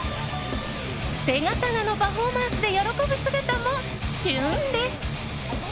手刀のパフォーマンスで喜ぶ姿もキュンです。